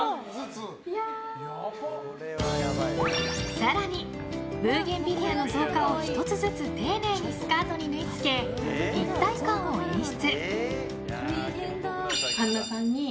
更にブーゲンビリアの造花を１つずつ丁寧にスカートに縫い付け立体感を演出。